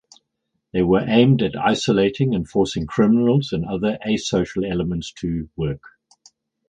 They were aimed at isolating and forcing criminals and other asocial elements to work.